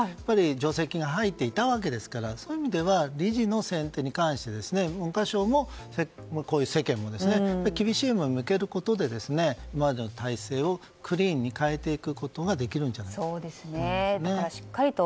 除籍が入っていたわけですからそういう意味では理事の選定に関しては、文科省も世間も、厳しい目を向けることで今までの体制をクリーンに変えていけることができるんじゃないかと。